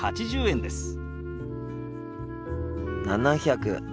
７８０円ですね？